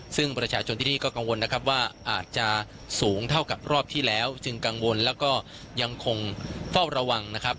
ซึ่งประชาชนที่นี่ก็กังวลนะครับว่าอาจจะสูงเท่ากับรอบที่แล้วจึงกังวลแล้วก็ยังคงเฝ้าระวังนะครับ